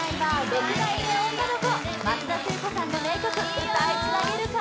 ６代目女の子松田聖子さんの名曲歌いつなげるか？